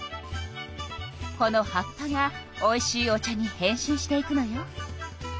この葉っぱがおいしいお茶に変身していくのよ。